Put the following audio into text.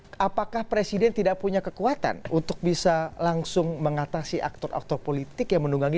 dan apakah presiden tidak punya kekuatan untuk bisa langsung mengatasi aktor aktor politik yang mendungangi